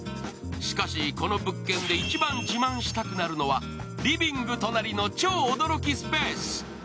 しかし、この物件で一番自慢したくなるのはリビング隣の驚きスペース。